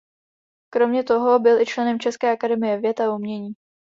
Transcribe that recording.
Kromě toho byl i členem České akademie věd a umění.